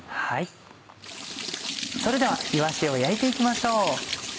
それではいわしを焼いて行きましょう。